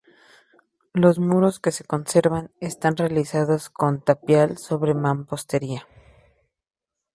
Los muros que se conservan están realizados con tapial sobre mampostería.